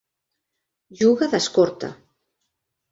Juga d'escorta.